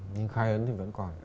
nhưng khai ấn thì vẫn còn